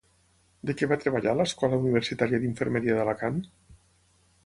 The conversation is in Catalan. De què va treballar a l'Escola Universitària d'Infermeria d'Alacant?